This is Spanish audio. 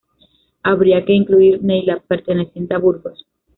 Habría que incluir Neila, perteneciente a Burgos.